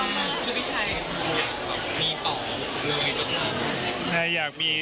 คุณพี่ชัยอยากราบมีต่อเลยอย่างนี้